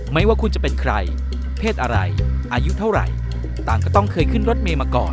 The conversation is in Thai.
ไม่ว่าคุณจะเป็นใครเพศอะไรอายุเท่าไหร่ต่างก็ต้องเคยขึ้นรถเมย์มาก่อน